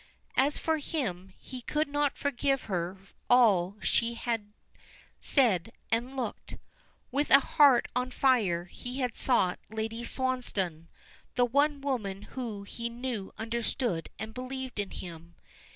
As for him, he could not forgive her all she had said and looked. With a heart on fire he had sought Lady Swansdown, the one woman whom he knew understood and believed in him.